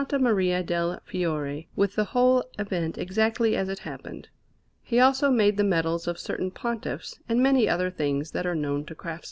Maria del Fiore, with the whole event exactly as it happened. He also made the medals of certain Pontiffs, and many other things that are known to craftsmen.